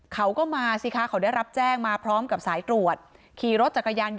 เขาก็มาสิคะเขาได้รับแจ้งมาพร้อมกับสายตรวจ